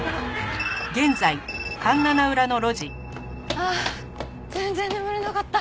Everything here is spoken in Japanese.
ああ全然眠れなかった。